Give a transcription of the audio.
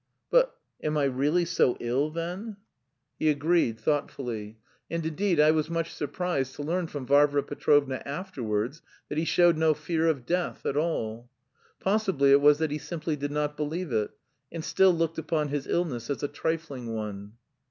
"But... am I really so ill, then?" He agreed thoughtfully. And indeed I was much surprised to learn from Varvara Petrovna afterwards that he showed no fear of death at all. Possibly it was that he simply did not believe it, and still looked upon his illness as a trifling one.